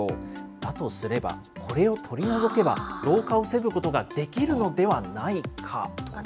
だとすれば、これを取り除けば、老化を防ぐことができるのではないか。